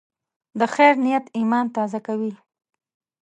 د خیر نیت ایمان تازه کوي.